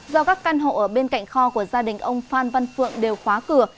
do các căn hộ ở bên cạnh kho của gia đình ông phan văn phượng đều khóa cửa